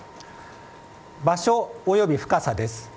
場所および深さです。